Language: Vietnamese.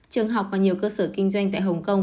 trường học và nhiều cơ sở kinh doanh tại hồng kông